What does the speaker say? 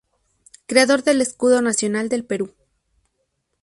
Creador del Escudo Nacional del Perú.